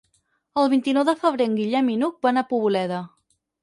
El vint-i-nou de febrer en Guillem i n'Hug van a Poboleda.